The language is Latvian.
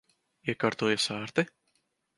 Iekārtojies ērti?